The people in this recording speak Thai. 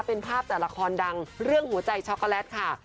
เป็นภาพแต่ละครดังเรื่องหัวใจช็อกโกแลตค่ะ